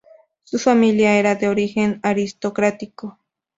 Su familia era de origen aristocrático.